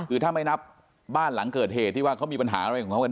คือถ้าไม่นับบ้านหลังเกิดเหตุที่ว่าเขามีปัญหาอะไรของเขากัน